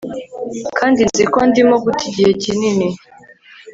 Kandi nzi ko ndimo guta igihe kinini